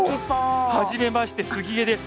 はじめまして、杉江です。